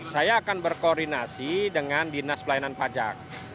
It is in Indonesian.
saya akan berkoordinasi dengan dinas pelayanan pajak